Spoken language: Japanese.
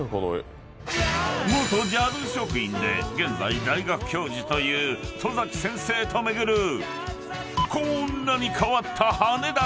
［元ＪＡＬ職員で現在大学教授という戸崎先生と巡るこーんなに変わった羽田空港］